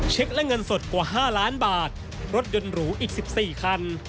และเงินสดกว่า๕ล้านบาทรถยนต์หรูอีก๑๔คัน